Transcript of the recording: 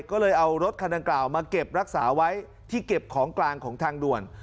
ก็เลยเอารถคันดังกล่าวมาเก็บรักษาไว้ที่เก็บของกลางของทางด่วน